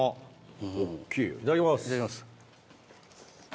いただきます。